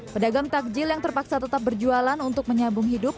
pedagang takjil yang terpaksa tetap berjualan untuk menyambung hidup